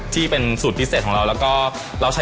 ที่เป็นสูตรพิเศษของเราก็